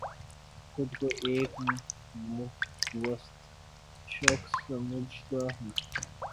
خود کو ایک متوسط شخص سمجھتا ہوں